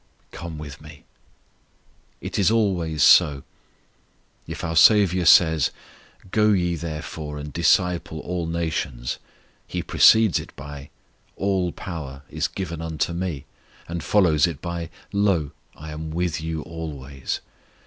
"Come with Me." It is always so. If our SAVIOUR says, "Go ye therefore and disciple all nations," He precedes it by, "All power is given unto Me," and follows it by, "Lo, I am with you always."